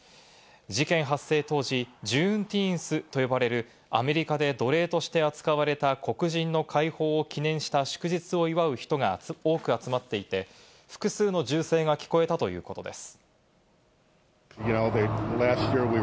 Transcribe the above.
事件発生当時、ジューティーンスと呼ばれるアメリカで奴隷として扱われた黒人の解放を記念した祝日を祝う人が多く集まっていて、複数の銃声が聞こえたということです。